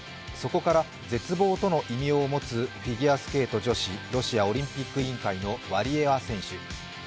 そこから絶望との異名を持つフィギュアスケート女子のロシアオリンピック委員会のワリエワ選手。